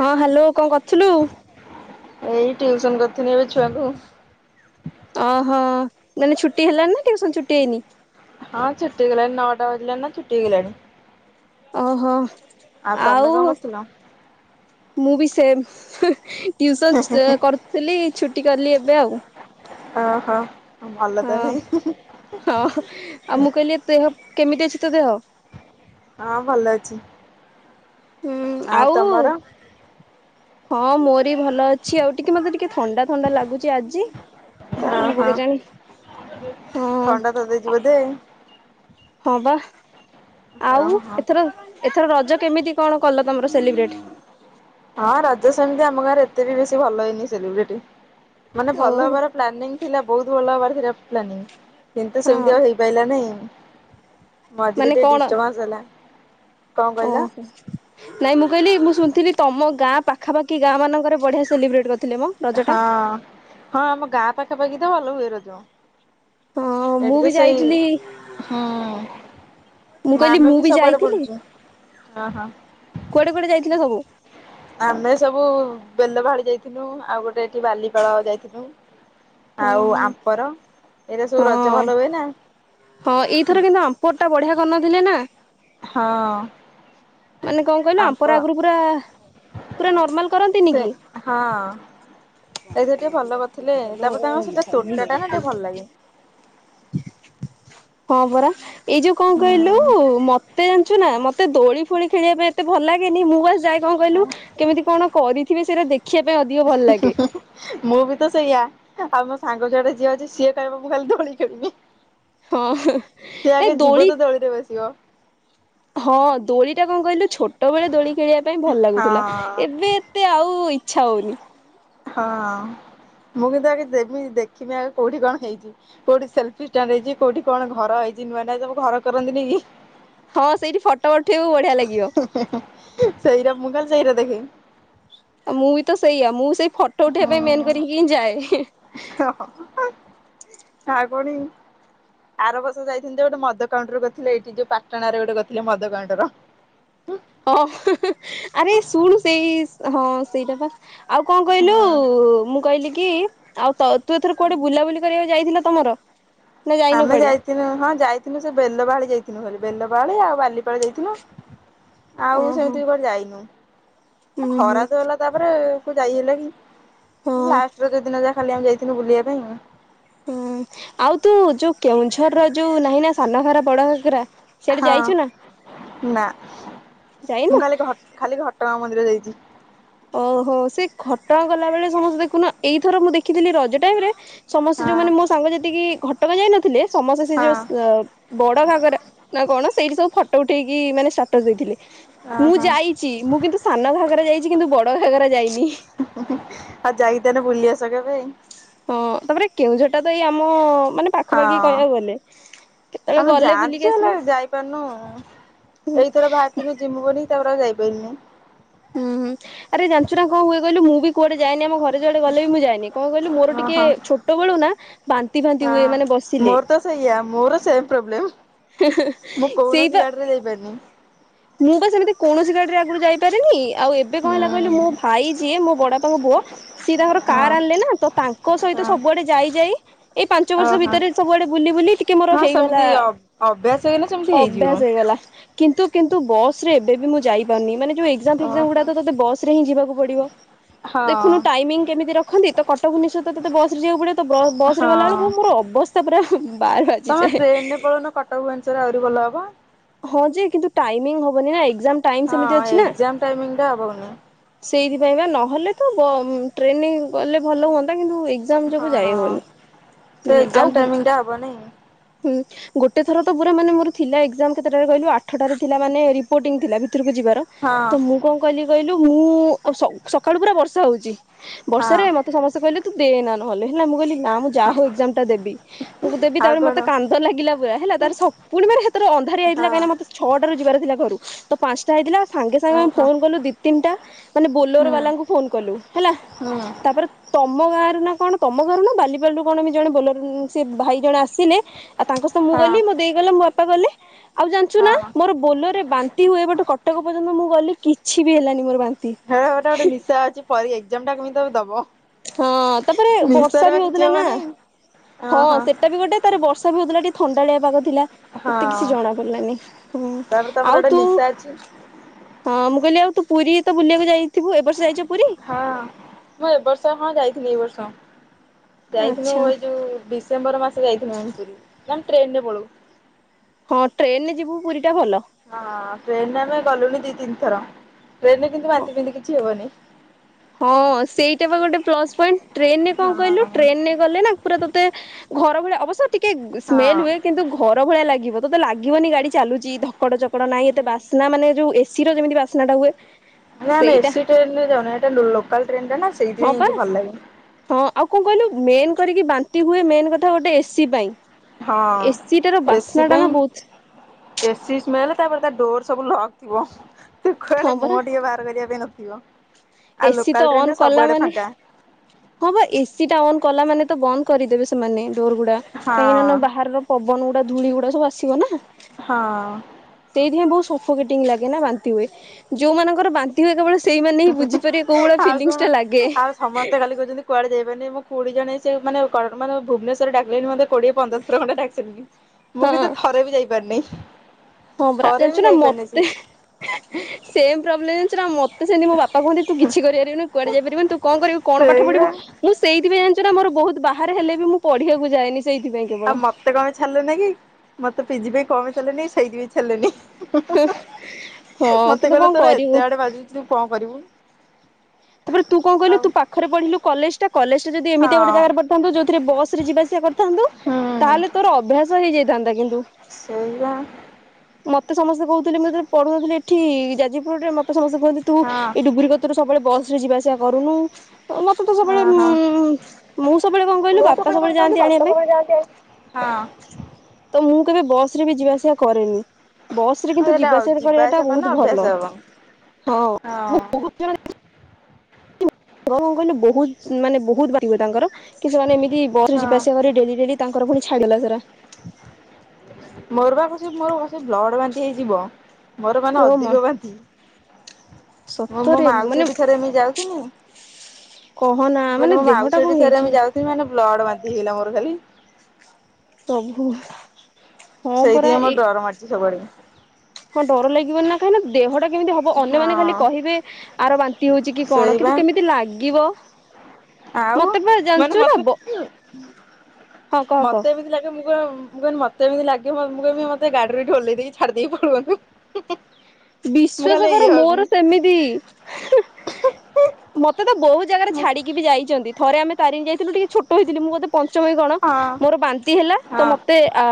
ହଁ ହ୍ୟାଲୋ କଣ କରୁଥିଲୁ? ଏଇ ଟିୟୁସନ। ପୁଣି ଏବେ ଛୁଆ କୁ ଓହୋ ମାନେ ଛୁଟି ହେଲାଣି ନା ଟିଉସନ ଛୁଟି ହେଇନି? ହଁ ଛୁଟି ଗଲାଣି ନଅଟା ବାଜିଲାଣି ନା ଛୁଟି ହେଇଗଲାଣି। ଓହୋ ତମେ ଆଉ କଣ କରୁଥିଲ? ମୁଁ ବି ସେମ୍ ଟିଉସନ ଚ କରୁଥିଲି ଛୁଟି କଲି ଏବେ ଆଉ। ଓ ହୋ। ହଁ ହଁ ଆଉ ମୁଁ କହିଲି ତୁ କେମିତି ଅଛି ତୋ ଦେହ? ହଁ ଭଲ ଅଛି। ହୁଁ ଆ ଆଉ ତମର? ହଁ ମୋର ବି ଭଲ ଅଛି ଆଉ, ଟିକେ ମତେ ଟିକେ ଥଣ୍ଡା ଥଣ୍ଡା ଲାଗୁଛି ଆଜି। ହଁ କଣ ହବ ହଁ କେ ଜାଣି, ହଁ। ଥଣ୍ଡା ଧରି ଦେଇଛି ବୋଧେ ହଁ ବା, ଆଉ ଓହୋ। ଏଥର ଏଥର ରଜ କେମିତି କଣ କଲ ତମର ସେଲିବ୍ରେଟ। [inaudible] ହଁ ରଜ [unintelligible] [unintelligible] ଓହୋ କିନ୍ତୁ ସେମିତି ହଁ ଆଉ ହେଇପାରିଲା ନି ମଝିରେ ମାନେ ଟିକେ କଣ ଡିଷ୍ଟ୍ରବାନ୍ସ ହେଲା। କଣ କହିଲ ଓହୋ ନାଇଁ ମୁଁ କହିଲି ମୁଁ ଶୁଣିଥିଲି ତମ ଗାଁ ପାଖାପଖି ଗାଁ ମାନଙ୍କରେ ବଢିଆ ସେଲିବ୍ରେଟ୍ କରି ହଁ ହଁ ଆମ ଗାଁ ପାଖାପାଖି ତ ଭଲ ହୁଏ ରଜ। ହଁ ମୁଁ ଏଠି ବି ତ ସେଇ ଯାଇଥିଲି ହଁ। ମୁଁ ମା କହିଲି ଆମେ ମୁଁ ବି ସବୁଆଡେ ଯାଇଥିଲି ବୁଲିଛୁ ହଁ ହଁ। କୁଆଡେ କୁଆଡେ ଯାଇଥିଲ ସବୁ? [inaudible] ଆମେ ସବୁ ବେଲ ଭାଡି ଯାଇଥିଲୁ ଆଉ ଗୋଟେ ଏଠି ବାଲିପାଳ ଯାଇଥିଲୁ। ଆଉ ହଁ ଆମ୍ପର ଏଇଟା ସବୁ ରଜ ହଁ ଭଲ ହୁଏ ନା। ହଁ ଏଇଥର କିନ୍ତୁ ଆମ୍ପଟ ଟା ବଢିଆ କରିନଥିଲେ ନା? ହଁ। ମାନେ କଣ କହିଲ ଆମ୍ପ ଆମ୍ପର ଆଗରୁ ପୁରା ପୁରା ନର୍ମାଲ କରନ୍ତିନି ସେ କି? [inaudible] ହଁ ଏଇଥର ଟିକେ ଭଲ କରିଥିଲେ ତାପରେ ତାଙ୍କ ସେଟା ତୋଟା ଟା ନା ଟିକେ ଭଲ ଲାଗେ। [unintelligible] [inaudible] ହଁ ପରା ଏଇ ଯୋଉ କଣ କହିଲୁ ହୁଁ ମତେ ଜାଣିଛୁ ନା ମତେ ଏତେ ଦୋଳି ଫୋଳି ଖେଳିବା ପାଇଁ ଏତେ ଭଲ ଲାଗେନି ମୁଁ ବାସ ଯଇ କଣ କହିଲୁ କେମିତି କଣ କରିଥିବେ ସେଇଟା ଦେଖିବା ପାଇଁ ଅଧିକ ଭଲ ଲାଗେ। [inaudible] ମୁଁ ବି ତ ସେଇଆ ଆଉ ମୋ ସାଙ୍ଗ ଯୁଆଡେ ଯିବ ଯେ ସିଏ କହିବ ମୁଁ ଖାଲି ଦୋଳି ଖେଳିବି। ହଁ [inaudible] ସେ ନାଇଁ ଆଗେ ଯିବ ଦୋଳି ତ ଦୋଳିରେ ବସିବ। ହଁ ଦୋଳି ଟା କଣ କହିଲୁ ଛୋ ଟବେଳେ ଦୋଳି ଖେଳିବା ପାଇଁ ଭଲ ହଁ ଲାଗୁଥିଲା ଏବେ ଏତେ ଆଉ ଇଚ୍ଛା ହଉନି। ହଁ ମୁଁ କିନ୍ତୁ ଆଗେ ଦେମି ଦେଖିମି ଆଗ କୋଉଠି କଣ ହେଇଛି କୋଉଠି ସେଲଫି ଷ୍ଟାଣ୍ଡ ହେଇଛି କୋଉଠି କଣ ଘର ହେଇଛି ଯେ ନୁଆ ନୁଆ ସବୁ ଘର କରନ୍ତିିନି କି? ହଁ ସେଇଠି ଫଟୋ ଉଠେଇବୁ ବଢିଆ ଲାଗିବ। ସଇରା ମୁଖାଲି ସଇରା ଦେଖେ। ଆଉ ମୁଁ ବି ତ ସେଇଆ ମୁଁ ସେଇ ଫଟୋ ଉଠେଇବା ପାଇଁ ମେନ୍ କରିକି ହିଁ ଯାଏ। ଆଉ କଣ କି? ଆର ବର୍ଷ ଯାଇଥିଲି ଯେ ଗୋଟେ ମଦକାଉଣ୍ଟର କରିଥିଲେ ଏଇଠି ଯୋଉ ପାଟଣାରେ ଗୋଟେ କରିଥିଲେ ମଦକାଉଣ୍ଟର। ହଁ ଆରେ ଶୁଣୁ ସେଇ ହଁ ସେଇଟା ପା ଆଉ କଣ କହିଲୁ ମୁଁ କହିଲି କି ଆଉ ତ ତୁ ଏଥର କୁଆଡେ ବୁଲାବୁଲି କରିବାକୁ ଯାଇଥିଲ? ତମର? ନା ଯାଇନୁ ଆମେ କୁଆଡେ ଯାଇଥିଲୁ ହଁ ଯାଇଥିଲୁ ସେ ବେଲ ବାହାଳି ଯାଇଥିଲୁ ହାରି। ବେଲବାହାଳି ଆଉ ବାଲିପାଳ ଯାଇଥିଲୁ ଆଉ ଓହୋ ସେମିତି ବି କୁଆଡେ ଯାଇନୁ। ହୁଁ ଖରା ହୁଁ ତ ହେଲା ତାପରେ କୋଉ ଯାଇ ହେଲା କି ହଁ ଲାଷ୍ଟର ଯଉ ଦିନ ଯାହା ଖାଲି ଆମେ ଯାଇଥିଲୁ ବୁଲିବା ପାଇଁ ଆଉ ହୁଁ ଆଉ ତୁ ଯୋଉ କେଉଁଝର ର ଯୋଉ ନାହିଁ ନା ସାନ ଘଗରା ବଡ ଘଗରା। ହଁ ନା ମୁଁ ଯାଇନୁ? ଖାଲି ଘ ଖାଲି ଘଟଗାଁ ମନ୍ଦିର ଯାଇଛି। [unintelligible] ଓହୋ ସେ ଖଟଗାଁ ଗଲା ବେଳେ ସମସ୍ତେ ଦେଖୁନ ଏଇଥର ମୁଁ ଦେଖିଥିଲି ରଜ ଟାଇମ ରେ ସମସ୍ତେ ହଁ ଯୋଉମାନେ ମୋ ସାଙ୍ଗ ଯେତିକି ଘଟଗାଁ ଯାଇନଥିଲେ ସମସ୍ତେ ସେ ହଁ ଯୋଉ ବଡ ଘାଗରା ନା କଣ ସେଇଠି ସବୁ ଫଟୋ ଉଠେଇକି ମାନେ ଷ୍ଟାର୍ଟର ଦେଇଥିଲେ। ଅ ମୁଁ ହଁ ଯାଇଛି ମୁଁ କିନ୍ତୁ ସାନ ଘାଗରା ଯାଇ [inaudible] ଆଉ ଯାଇକି ତାହାନେ ବୁଲିଆସ କେବେ। ହଁ ତାପରେ କେଉଁଝରଟା ତ ଏଇ ଆମ ମାନେ ପାଖ ପାାଖି ହଁ କହିବାକୁ ଗଲେ କେତେବେଳେ ଆମେ ଗଲେ ଯାଆନ୍ତି ଯେ ବୁଲିକି ହେଲେ ଆସିବା। [inaudible] ଯାଇପାରୁନୁ। ଏଇଥର ବାହାରିଥିନୁ ଜିମୁବୋଲି ତାପରେ ଆଉ ଯାଇପାଇଲୁନି ହୁଁ ଆରେ ଯାଞ୍ଚୁନା କଣ ହୁଏ କହିଲୁ ମୁଁ ବି କୁଆଡେ ଯାଏନି ଆମ ଘରେ ଯିଏ ଯୁଆଡେ ଗଲେ ବି ମୁଁ ଯାଏନି କଣ କହିଲୁ ମୋର ଟିକେ ଓହୋ ଛୋଟ ବେଳୁନା ବାନ୍ତି ଫାନ୍ତି ହୁଏ ମାନେ ବସିଲେ। ଆ ମୋର, ସେମ୍ ପ୍ରୋବ୍ଲେମ୍। ମୁଁ ସେଇ କୌଣସି ତ ଗାଡିରେ ଜାଇପାରିନି। ମୁଁ ବା ସେମିତି କୌଣସି ଗାଡିରେ ଆଗରୁ ଯାଇପାରେନି ଆଉ ଏବେ କଣ ହୁଁ ହେଲା କହିଲୁ ମୋ ଭାଇ ଯିଏ ମୋ ବଡବାପାଙ୍କ ପୁଅ ସିଏ ତାଙ୍କର ହଁ କାର୍ ଆଣିଲେ ନା ତ ତାଙ୍କ ସହି ତ ହଁ ସବୁଆଡେ ଯାଇ ଯାଇ ଏଇ ପାଞ୍ଚ ବର୍ଷ ଓହୋ। ଭିତରେ ସବୁଆଡେ ବୁଲି ବୁଲି ଟିକେ ମୋର ହଁ ହେଇଗଲା, ସେମିତି ଅଭ୍ୟାସ ହେଇଗଲେ ସେମିତି ହେଇଯିବ। ଅଭ୍ୟାସ ହେଇଗଲା। କିନ୍ତୁ କିନ୍ତୁ ବସରେ ଏବେ ବି ମୁଁ ଯାଇପାରୁନି ମାନେ ଯୋଉ ଏଗଜାମ ଓହୋ ଫେଗଜାମ ଗୁଡା ତତେ ବସ ରେ ହିଁ ଯିବାକୁ ପଡିବ। ହଁ ଦେଖୁନୁ ଟାଇମିଂ କେମିତି ରଖନ୍ତି ତ କଟକ ଭୁବନେଶ୍ୱର ତ ତତେ ବସ ରେ ଯିବାକୁ ପଡିବ ତ ବ୍ର ବସ ରେ ହଁ। ଗଲା ବେଳକୁ ମୋର ଅବସ୍ଥା ପୁରା ବାହାର ତମେ ବାଜିଯାଏ ଏହେ ଟ୍ରେନରେ ଇଁ ପଳଉନ କଟକ ଭୁବନେଶ୍ୱର ଆହୁରି ଭଲ ହବ। ହଁ ଯେ କିନ୍ତୁ ଟାଇମିଂ ହବନି ନା ଏକ୍ଜାମ ଟାଇମ ହଁ ସେମିତି ଅଛି ନା। ଏକ୍ସାମ ଟାଇମିଂ ଟା ହବନି। ସେଇଥିପାଇଁ ବା ନହେଲେ ତ ବ ଉଂ ଟ୍ରେନରେ ଗଲେ ଭଲ ହୁଅନ୍ତା କିନ୍ତୁ ଏ ଏଗଜାମ ଯୋଗୁ ଯାଇ ହଁ। ସେ ହଉନି ଆଉ ଏକ୍ଜାମ ହୁଁ ଟାଇମିଂ ଟା ହବନି ଗୋଟେ ଥର ତ ପୁରା ମାନେ ମୋର ଥିଲା ଏକ୍ଜାମ କେତେଟାରେ କହିଲୁ ଆଠଟାରେ ଥିଲା ମାନେ ରିପୋର୍ଟିଂ ଥିଲା ଭିତରକୁ ଯିବାର ହଁ ତ ମୁଁ କଣ କହିଲି କହିଲୁ ମୁଁ ସକାଳୁ ପୁରା ବର୍ଷା ହଉଛି ହଁ ବର୍ଷାରେ ମତେ ସମସ୍ତେ କହିଲେ ତୁ ଦେନା ନହେଲେ ହେଲା ମୁଁ କହିଲି ନା ମୁଁ ଯା ହଉ ହଁ। ଏଗଜାମ ଟା ଦେବି ମୁଁ ଦେବି ଆଉ ତାପରେ କଣ ମତେ କାନ୍ଦ ଲାଗିଲା ପୁରା ହେଲା ତାରେ ସ ପୁଣି ମର ହେଥେରେ ଅଂ ହଁ ହେଇଥିଲା କାହିଁକିନା ମୋତେ ଛଅଟାରୁ ଯିବାର ଥିଲା ଘରୁ ତ ପାଞ୍ଚଟା ହେଇଥିଲା ସାଙ୍ଗେ ସାଙ୍ଗେ ହଁ ଆମେ ହଁ ଫୋନ କଲୁ ଦି ତିନିଟା ମାନେ ବୋଲୋର ହୁଁ ବାଲାଙ୍କୁ ଫୋନ କଲୁ ହେଲା ହୁଁ ହଁ। ତାପରେ ତମ ଗାଁରୁ ନା କଣ ତମ ଗାଁରୁ ନା ବାଲିପାଲରୁ କଣ ଜଣେ ବୋଲର ସେ ଭାଇ ଜଣେ ଆସିଲେ ଆଉ ତାଙ୍କ ସହ ମୁଁ ଗଲି ମୋ ଦେଇ ଗଲା ମୋ ବାପା ଗଲେ ଆଉ ଜାଣିଛୁ ନା ହଁ ମୋର ବୋଲରରେ ବାନ୍ତି ହୁଏ ବଟ କଟକ ପର୍ଯ୍ୟନ୍ତ ମୁଁ ଗଲି କିଛି ବି ହେଲାନି ମୋର ବାନ୍ତି। ହେରା ଗୋଟେ ନିଶା ଅଛି ପରେ ଏଜାମ ଟା କେମିତି ତମେ ଦବ। ହଁ ତାପରେ ବର୍ଷା ନିଶାରେ ବି ବା କିଛି ହଉଥିଲା ନା ହବନି ହଁ ଓହୋ ସେଟା ବି ଗୋଟେ ତାର ବର୍ଷା ବି ହଉଥିଲା ଟିକେ ଥଣ୍ଡାଳିଆ ପାଗ ଥିଲା ହଁ। ଏତେ କିଛି ଜଣା ପଡିଲାନି ହୁଁ ତାପରେ ତମର ଆଉ ଗୋଟେ ତୁ ନିଶା ଅଛି ହଁ ମୁଁ କହିଲି ଆଉ ତୁୁ ପୁରୀ ତ ବୁଲିବାକୁ ଯାଇଥିବୁ ଏବର୍ଷ ଯାଇଛୁ? ପୁରୀ? ହଁ ମୁଁ ଏବର୍ଷ ହଁ ଯାଇଥିଲି ଏ ବର୍ଷ। ଯାଇଥିଲୁ ଆଚ୍ଛା ଏଇ ଯୋଉ ଡିସେମ୍ବର ମାସ ଯାଇଥିଲୁ ଆମେ ପୁରୀ ଆମେ ଟ୍ରେନରେ ପଳଉ। ହଁ ଟ୍ରେନରେ ଯିବୁ ପୁରୀ ଟା ଭଲ। ହଁ ଟ୍ରେନରେ ଆମେ ଗଲୁଣିି ଦି ତିନିଥର ଟ୍ରେନରେ କିନ୍ତୁ ହଁ। ବାନ୍ତି ଫାନ୍ତି କିଛି ହୁଏନି। ହଁ ସେଇଟା ବା ଗୋଟେ ପ୍ଲସ ପଏଣ୍ଟ ଟ୍ରେନରେ କଣ କହିଲୁ ହଁ ଟ୍ରେନରେ ଗଲେ ନା ପୁରା ତତେ ଘର ଭଳିଆ ଅବଶ୍ୟ ଟିକେ ହଁ। ସ୍ମେଲ ହୁଏ କିନ୍ତୁ ଘର ଭଳିଆ ଲାଗିବ ତତେ ଲାଗିବନି ଗାଡି ଚାଲୁଚି ଧ ଧକଡ଼ ଚକଡ଼ ଚକଡ ନାଇଁ ଏତେ ବାସ୍ନା ମାନେ ଯୋଉ ଏସିର ଯେମିତି ବାସ୍ନାଟା ହୁଏ ଆଲୋ ଆମେ ସେଇଟା ଏସି ଟ୍ରେନ ରେ ଯାଉନୁ ଏଇଟା ଲୋ ଲୋ ହଁ ପା ହଁ ଆଉ କଣ କହିଲୁ ମେନ୍ କରିକି ବାନ୍ତି ହୁଏ ମେନ୍ କଥା ଗୋଟେ ଏସି ପାଇଁ ହଁ ଏସିଟାର ଏସି ବାସ୍ନାଟା ନା ପାଇଁ ବହୁତ ଏସି ସ୍ମେଲ ତାପରେ ତା ଡୋର ସବୁ ଲକଥିବ ହଁ ତୁକୁଆଡେ ପରା ମୁହଁ ଟିକେ ବାହାର କରିବା ପାଇଁ ନଥିବ। ଆଉ ଏସିି ଲୋକାଲ ତ ଟ୍ରେନରେ ଅନ୍ କଲା ସବୁଆଡେ ମାନେ ଫାଙ୍କା। ହଁ ବା ଏସି ଟା ଅନ୍ କଲା ମାନେ ତ ବନ୍ଦ କରିଦେବେ ସେମାନେ ଡୋର ଗୁଡା କାହିଁକି ନା ହଁ ବାହାର ର ପବ ପବନ ଗୁଡା ଧୂଳି ଗୁଡା ସବୁ ଆସିବ ନା ହଁ ଅଁ ନୁହେଁ ବହୁତ ସଫକେଟିଙ୍ଗ ଲାଗେ ନା ବାନ୍ତି ହୁଏ ଯୋଉ ମାନଙ୍କର ବାନ୍ତି ହୁଏ କେବଳ ସେଇମାନେ ହିଁ ବୁଝିପାରିବେ କୋଉ ଭଳିଆ ଆଉ କଣ? ଫିଲଙ୍ଗସଟା ଲାଗେ। ଆଉ ସମସ୍ତେ ଖାଲି କହୁଛନ୍ତି କୁଆଡେ ଯାଇପାରେନି ମୋ ଖୁଡି ଜଣେ ସେ ମାନେ ମାନେ କୋଡି ଜଣ ସେ ମାନେ ଭୁବନେଶ୍ୱର ଡାକିଲେବି ମତେ କୋଡିଏ ପନ୍ଦରଥର ଖଣ୍ଡେ ଡାକିସାରଲେଣି ମୁଁ ହଁ କିନ୍ତୁ ଥରେ ବି ଯାଇପାରିନି। ହଁ ପରା ଥରେ ବି ଜାଣିଚୁ ନା ଯାଇପାରିନି ସେ ମତେ ସେମ୍ ପ୍ରୋବ୍ଲେମ୍ ଜଣି ନା ମତେ ତ ସେମିତି ମୋ ବାପା କୁହନ୍ତି କିଛି କରିପାରିବୁନି କୁଆଡେ ଯାଇପାରିବୁନି ତୁ କଣ କରିବୁ କଣ ପାଠ ପଢିବୁ ସେଇବା ମୁଁ ସେଥିପାଇଁ ଜାଣ ଯୋଉଟା ମୋର ବହୁତ ବାହାର ହେଲେ ବି ମୁଁ ପଢିବାକୁ ଯାଏନି ସେଇଥିପାଇଁ କେବଳ। ଆଉ ମତେ କଁ ପାଇଁ ଛାଡିଲେନି କି ମତେ ପିଜି ପାଇଁ କଁ ପାଇଁ ଲେନି କି ସେଇଥିପାଇ ଛାଡିଲେନି। [unintelligible] ହଁ ମତେ କିନ୍ତୁ କହିଲେ କଣ ତୋର କରିବୁ। ଏତେ ଆଡେ ବାଜୁଚି ତୁ କଣ କରିବୁ। ତାପରେ ତୁ କଣ କହିଲୁ ଆଉ ତୁ ପାଖରେ ପଢିଲୁ କଲେଜ ଟା କଲେଜଟା ଯଦି ହଁ ଏମିତିଆ ଗୋଟେ ଜାଗାରେ ପଡିଥାନ୍ତ। ଯୋଉଥିରେ ବସରେ ଯିବା ଆସିବା କରିଥାନ୍ତୁ ହୁଁ ତାହେଲେ ତୋର ଅଭ୍ୟାସ ହେଇଯାଇଥା ନ୍ତା କିନ୍ତୁ ସେଇବା ମତେ ସମସ୍ତେ କୋହୁଥିଲେ ମୁଁ ଯେତେବେଳେ ପଢୁନଥିଲି ଏଠି ଯାଜପୁଡରେ ମତେ ସମସ୍ତେ କୁହନ୍ତି ତୁ ହଁ ଏଇ ଡୁବୁରି କତୁରୁ ସବୁବେଳେ ବସରେ ଯିବା ଆସିବା କରୁନୁ। ମତେ ତ ହଁ ସବୁବେଳେ ଉଁ ହଁ ମୁଁ ସବୁବେଳେ କଣ କହିଲୁ ବାପା ସବୁବେଳେ ଯାଆନ୍ତି ଆଣିବା ପାଇଁ। ହଁ। ତ ମୁଁ କେବେ ବସରେ ବି ଯିବା ଆସିବା କରେନି। ବସରେ ଆଉ କିନ୍ତୁ ଏଇଟା ଯିବା ଆସିବା ଟା କରିବାଟା କଲେ ବୋହୁତ ଅଭ୍ୟାସ ଭଲ। ହବ ହଁ ମୁଁ ହଁ ବୋହୁତ ଥର ଦେଖିଚି [inaudible] [inaudible] କଣ କହିଲୁ ବୋହୁତ ମାନେ ବହୁତ ବାକିହୁଏ ତାଙ୍କର କିନ୍ତୁ ମାନେ ଏମି ଯଦି ବସରେ ଯିବା ହଁ ଆସିବା କରିବୁ ଡେଲି ଡେଲି ତାଙ୍କର ଫୁଣି ଛାଡିଗଲା ସେରା। ମୋର ବା କସି ମୋର ବର୍ଷେ ବ୍ଲଡ ବାନ୍ତି ହେଇଯିବ। ମୋର ମାନେ ଓ ମା ଅଧିକ ବାନ୍ତି ମୁଁ ମୋ ସତରେ ମାଉସୀ ମାନେ ଘଟିକି ଥରେ ଏମିତି ଯାଉଥିନି କହନା ମାନେ ବୋଇଲେ ମୈ ଦେହଟା ମାଉସୀ କଣ ଘଟି ଥରେ ହେଇଛି ଏମିତି ଯାଉଥିମି ମାନେ ଲଡ ବାନ୍ତି ହେଇଗଲା ମୋର ଖାଲି। ପ୍ରଭୁ ହଁ ସେଇଥିପାଇଁ ମୋତେ ଡର ମାଡୁଚି ସବୁଆଡେ। ଆଉ ଡର ଲାଗିବନି ନା କାହିଁକି ନା ଦେହଟା କେମିତି ହବ ଅନ୍ୟମାନୋନ ଖାଲି ହଁ କହିବେ ଆର ବାନ୍ତି ହୋଉଚି କି ସେଇ କଣ ବା କିନ୍ତୁ କେମିତି ଲାଗିବ। ଆଉ ମତେ ବା ମାନେ ଜାଣିଛୁ ନା ମତେ ବ [unintelligible] ହଁ କହ କହ ମତେ ଏମିତି ଲାଗେ ମୁଁ କଣ ମୁଁ କହିଲି ମତେ ଏମିତି ଲାଗିବ। ମୁଁ କହମି ମତେ ଗାଡିରୁ ଓହ୍ଲେଇ ଦେଇକି ଛାଡି ଦେଇକି ପଳୁଅନ୍ତେ। ବିଶ୍ୱାସ କର ମୋର ସେମିତି। ମତେ ତ ବହୁତ ଜାଗାରେ ମୁଁ ଛାଡିକି ବି ଯାଇଚନ୍ତି ଥରେ ଆମେ ତାରିଣୀ ଯାଇଥିଲୁ ଟିକେ ଛୋଟ ହେଇଥିଲି। ମୁଁ ବୋଧେ ପଞ୍ଚମ କି କଣ ହଁ ମୋର ବାନ୍ତି ହେଲା ତ ହଁ ମତେ ଆ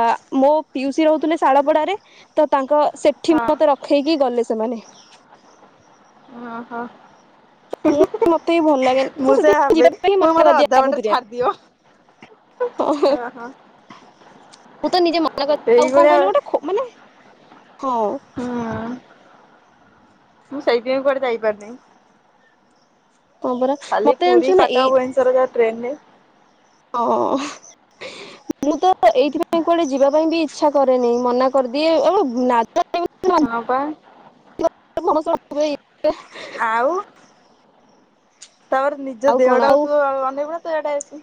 ମୋ ପିଉସି ରହୁଥିଲେ ଶାଳପଡାରେ ତ ତାଙ୍କ ସେଠି ହଁ। ମତେ ର ଲି ଗଲେ ସେମାନେ। ଅ ହ। [unintelligible] ମତେ ବି ଭଲ ଲାଗେନି ତ ମୁଁ ସେୟା ସେଥିପାଇଁ ଭାବେ ଯିବା ପାଇଁ ମୁଁ [unintelligible] ମନା ମତେ କରିଦିଏ ଅଧା ବାଟରେ ଆଗତୁରିଆ ଛାଡିଦିଅ। [unintelligible] ହଁ ହଁ। ମୁଁ ତ ନିଜେ ମନା [inaudible] ଆଉ କଣ କହିଲ ଗୋଟେ ଖ ମାନେ ହଁ ହୁଁ। ମୁଁ ସେଇଥି ପାଇଁ କୁଆଡେ ଯାଇ ପାରୁନି। ହଁ ପରା ଖାଲି ମତେ ପୁରି, ଜାଣିଛୁ ନା କଟକ ଭୁନେଶ୍ବର ଯାହା ଟ୍ରେନରେ ଓ ହୋ [unintelligible] ମୁଁ ତ ଏଇଥିପାଇଁ କୁଆଡେ ଯିବା ପାଇଁ ବି ଇଚ୍ଛା କରେନି ମନା କରିଦିଏ। [unintelligible] ହଁ ପା। ଆଉ [inaudible] ତାପରେ ନିଜ ଆଉ କଣ ଦେହଟାକୁ ଆଉ ତୁ ଅ-ଅନେଇବୁନା ତୁ ଇଆଡେ ସି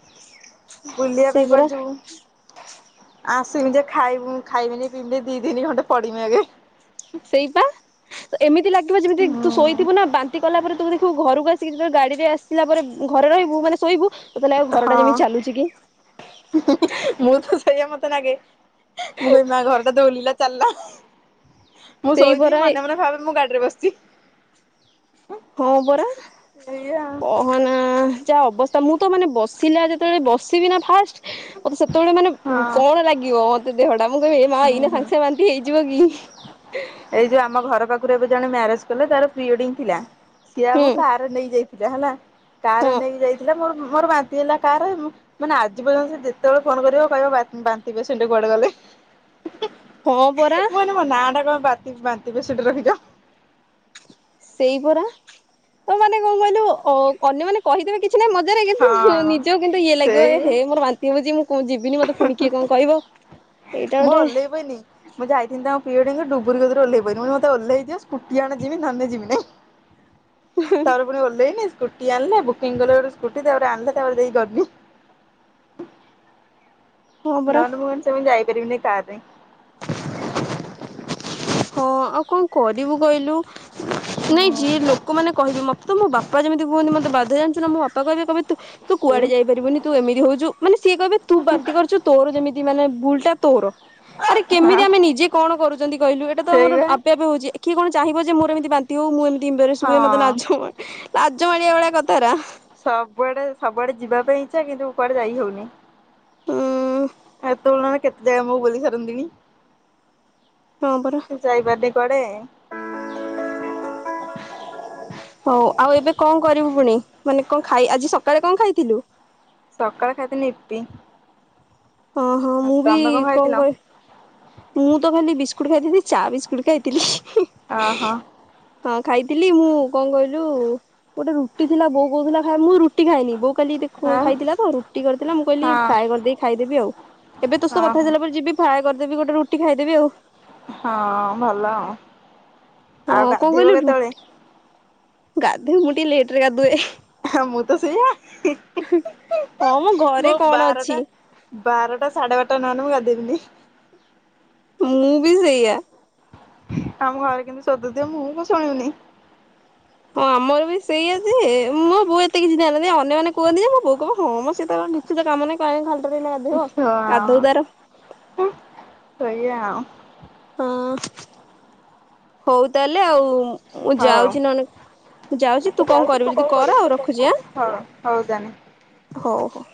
ବୁଲିବା ସେଇ ପାଇଁ ପରା କୁଆଡେ ଯିବୁ। ଆ ସେମିତିରେ ଖାଇବୁ-ଖାଇମିନି ପିଇମିନି ଦି ଦିନି ଖଣ୍ଡେ ପଡମି ଆଗେ। ସେଇପା ଏମିତି ଲାଗିବ ଯେମିତି ତୁ ହୁଁ ଶୋଇଥିବୁ ନା ବାନ୍ତି କଲା ପରେ ତୁ ଦେଖିବୁ ଘରକୁ ଆ ସିଧା ଗାଡିରେ ଆସିଲା ପରେ ଘରେ ରହିବୁ ମାନେ ଶୋଇବୁ ତତେ ଲାଗିବ ଘରଟା ହଁ ଯେମିତି ଚାଲୁଛି କି [unintelligible] ମୁଁ ତ ସେଇଆ ମ ଲାଗେ ମୁଁ କହିବି ମା ଘରଟା ତ ଉଡ଼ିଲା ଚାଲିଲା। ମୁଁ ସେଇ ଶୋଇଥିବି ପରା ମନେ ମନେ ଭାବେ ମୁଁ ଗାଡ଼ି ରେ ବସିଛି। ହଁ ପରା ଏଇଆ କହନା। ଯାହା ଅବସ୍ଥା ମୁଁ ତ ମାନେ ବସିଲା ଯେତେବେଳେ ବସିବି ନା ଫାଷ୍ଟ୍ ମତେ ସେତେବେଳେ ମାନେ ହଁ କଣ ଲାଗିବ ମତେ ଦେହ [unintelligible] କହିବି ଏ ମା ହୁଁ ଏଇନେ ହୁଁ। ସାଙ୍ଗେ ସାଙ୍ଗେ ବାନ୍ତିି ହେଇଯିବ କି। ଏଇ ଯୋଉ ଆମ ଘର ପାଖରୁ ଏବେ ଜଣେ ମ୍ୟାରେଜ୍ କଲେ ତାର ପ୍ରୀ ୱେଡିଂ ଥିଲା ସିଏ ହୁଁ ଆମକୁ କାର ରେ ନେଇ ଯାଇ ଯା ହେଲା କାର ହଁ ନେଇକି ଯାଇଥିଲା ମୋର ମୋର ବାନ୍ତି ହେଲା କାର ରେ ମାନେ ଆଜି ପର୍ଯ୍ୟନ୍ତ ସେ ଯେତେବେଳେ ଫୋନ କରିବ କହିବ ବା ବାନ୍ତିିପେସେଣ୍ଟ୍ କୁଆଡ଼େ ଗଲେ। [unintelligible] ମୁଁ ହଁ ପରା କହିଲି ମୋ ନା ଟା କଣ ବାନ୍ତି ବାନ୍ତିିପେସେଣ୍ଟ୍ ରଖିଚ। ସେଇ ପରା ତ ମାନେ କଣ କହିଲୁ ଅ ଅନ୍ୟମାନେ କହିଦେବେ କି କିଛି ନାହିଁ ମଜାରେ କିନ୍ତୁ ହଁ ନିଜ କୁ କିନ୍ତୁ ଇଏ ଲାଗିବ ସେଇ ଏହେ ମୋ ବାନ୍ତି ହବ ଯେ ମୁଁ ଯିବିନି ମତେ ପୁଣି କିଏ କଣ କହିବ ଏଇଟା ଗୋଟେ ପ୍ରିୱେଡିଂ ଡୁବୁରି କତି ରୁ ଓହ୍ଲେଇ ପଇଲି ମୋତେ ଓହ୍ଲେଇ ଦିଅ ସ୍କୁଟି ଆଣ ଯିବି ନହେଲେ ନାଇଁ ଯିବିନି। ତାପରେ ପୁଣି ଓହ୍ଲେଇ [unintelligible] ସ୍କୁଟି ଆଣିଲେ ବୁକିଂ କଲେ ଗୋଟେ ସ୍କୁଟି ତାପରେ ଆଣିଲେ ତାପରେ ଯାଇକି ଗଲି। ହଁ ପରା ନହଲେ ମୁଁ ସେମିତି ଯାଇପାରିବିନି କାର୍ ରେ। ହଁ ଆଉ କଣ କରିବୁ କହିଲୁ ନାଇଁ ଯିଏ ଲୋକମାନେ କହିବେ ମତେ ତ ମୋ ବାପାଯେମିତି କୁହନ୍ତି ମତେ ବାଧେ ଜାଣିଛୁ ନା ମୋ ବାପା କହିବେ କହିବେ ତୁ ହୁଁ। କୁଆଡ଼େ ଯାଇପାରିବୁନି ତୁ ଏମିତି ହଉଚୁ ମାନେ ସିଏ କହିବେ ତୁ ବାନ୍ତି କରିଚୁ ତୋର ଯେମିତି ମାନେ ଭୁଲ ଟା। ତୋର ଆରେ ହଁ କେମିତି ଆମେ ନିଜେ କଣ କରୁଛନ୍ତି କହିଲୁ ଏଇଟା ତ ଆମର ସେଇବା ଆପେ ଆପେ ହଉଛି। କିଏ କଣ ଚାହିଁବ ଯେ ମୋର ଏମିତି ବାନ୍ତି ହଉ ମୁଁ ଏମ ଇମ୍ବ୍ରାସେ ହଁ ହୁଏ ମତେ ଲାଜ ମା ଲାଜ ମାାରିବା ଭଳିଆ କଥା ରା। ସବୁଆଡେ ସବୁଆଡେ ଯିବା ପାଇଁ ଇଚ୍ଛା କିନ୍ତୁ କୁଆଡ଼େ ଯାଇ ହଉନି। ଉଁ ହେତେବେଳୁ ମାନେ କେତେ ମୁଁ ବୁଲି ସାରନ୍ତିଣି। ହଁ ପରା। ଯାଇପାରୁନି କୁଆଡ଼େ। ହଉ ଆଉ ଏବେ କଣ କରିବୁ ପୁଣି ମାନେ କଣ ଖାଇ ଆଜି ସକାଳେ କଣ ଖାଇଥିଲୁ? ସକାଳେ ଖାଇଥିଲି ୟିପି। ଅ ହଁ ମୁଁ ବି କଣ କହିଲୁ ମୁଁ ତ ଖାଲି ବିସ୍କୁଟ୍ ଖାଇଥିଲି। ଚା ବିସ୍କୁଟ୍ ଖାଇଥିଲି। ଓ ହୋ। ହଁ ଖାଇଥିଲି ମୁଁ କଣ କହିଲୁ ଗୋଟେ ରୁଟି ଥିଲା ବୋଉ କହୁଥିଲା ଖାଇ ମୁଁ ରୁ ରୁଟି ଖାଇନି ବୋଉ କାଲି ଆଉ ଖାଇଥିଲା ତ ରୁଟି କରିଥିଲା ମୁଁ କହିଲି ହଁ ଫ୍ରାଏ କରିଦେଇ ଖାଇ ଯିବି ଆଉ ଏବେ ତୋ ସ କଥା ଓହୋ। ହେଇସାରିଲା ପରେ ଯିବି ଫ୍ରାଏ କରିଦେବି ଗୋଟେ ରୁଟି ଖାଇଦେବି ଆଉ। ହଁ ଭଲ ଆଉ ହଁ କଣ ଗାଧେଇବ କହିଲୁ କେତେବେଳେ? ଗାଧୋଇ ମୁଁ ଟିକେ ଲେଟ୍ ମୁଁ ତ ସେଇଆ। ହଁ ମ ମୋ ଘରେ କଣ ବାରଟା ଅଛି। ବାରଟା ସାଢେ ବାରଟା ନହେଲେ ମୁଁ ଗାଧେଇବିନି। ମୁଁ ବି ସେଇଆା। ଆମ ଘରେ କିନ୍ତୁ ଶୋଦୁଥିବେ ମୁଁ କଣ ଶୁଣିବିନି। ହଁ ଆମର ବି ସେଇଆ ଯେ ମୋ ବୋଉ ଏତେ କିଛି ନାହିଁ ଅନ୍ୟମାନେ କୁହନ୍ତି ଯେ ମୋ ବୋଉ କହେ ହଁ ମ ସେ କିଛି ତ କାମ ନାହିଁ କାଇଁ ଖାଲିଟାରେ ଏଇନା ଗାଧେଇବ ଗାଧୋଉ ତାର। ହଁ ସେଇଆ ଆଉ। ହଁ ହଉ ତାହେଲେ ଆଉ ମୁଁ ହଉ। ଯାଉଛି ନହେଲେ ମୁଁ ଯାଉଛି ତୁ କଣ କରିବୁ ଯଦି କର ଆଉ ତୁ ରଖୁଛି ଆଁ କରିବୁ ହଉ ହଉ ତାନେ। ହଉ ହଉ।